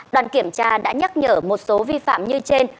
đoàn kiểm tra đã nhắc nhở một số vi phạm như trên